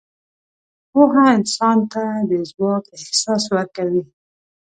پوهه انسان ته د ځواک احساس ورکوي.